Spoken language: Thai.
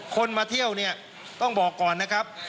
คนมาเที่ยวเนี่ยต้องบอกก่อนนะครับ